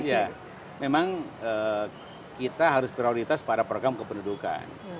ya memang kita harus prioritas pada program kependudukan